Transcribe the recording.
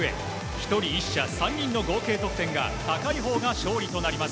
１人１射３人の合計得点が高いほうが勝利となります